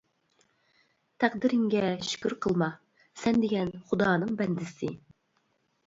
تەقدىرىڭگە شۈكۈر قىلما، سەن دېگەن خۇدانىڭ بەندىسى.